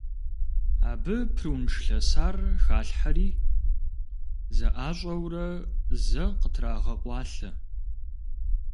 Абы прунж лъэсар халъхьэри, зэӀащӀэурэ, зэ къытрагъэкъуалъэ.